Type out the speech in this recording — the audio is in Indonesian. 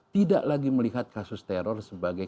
tidak lagi melihat kasus teror sebagai